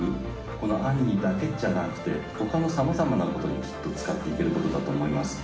この『アニー』だけじゃなくて他のさまざまなことにきっと使って行けることだと思います。